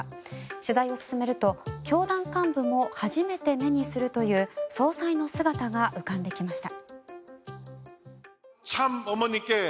取材を進めると教団幹部も初めて目にするという総裁の姿が浮かんできました。